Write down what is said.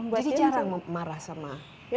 jadi jarang marah sama